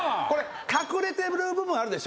隠れてる部分あるでしょ？